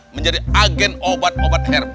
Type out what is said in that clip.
menjadi agen obat obat herba